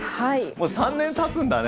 もう３年たつんだね。